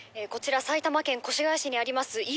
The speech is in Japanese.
こちら埼玉県越谷市にあります